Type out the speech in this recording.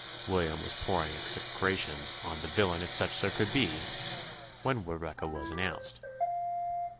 William was pouring execrations "on the villain if such there could be," when Rebecca was announced.